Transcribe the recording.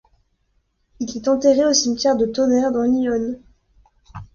Il est enterré au cimetière de Tonnerre dans l'Yonne.